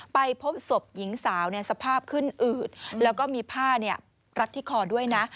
ไปพบศพหญิงสาวสภาพขึ้นอืดแล้วก็มีผ้ารัดที่คอด้วยนะ